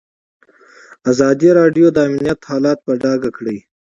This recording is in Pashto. ازادي راډیو د امنیت حالت په ډاګه کړی.